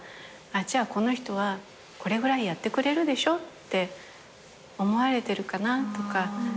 じゃあこの人はこれぐらいやってくれるでしょ」って思われてるかなとか。